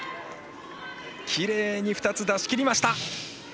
きれいに２つ出しきりました。